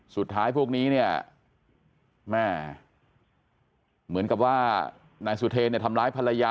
พวกนี้เนี่ยแม่เหมือนกับว่านายสุเทรเนี่ยทำร้ายภรรยา